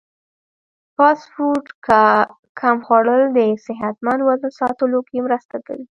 فاسټ فوډ کم خوړل د صحتمند وزن ساتلو کې مرسته کوي.